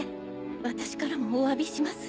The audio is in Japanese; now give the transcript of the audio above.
私からもおわびします。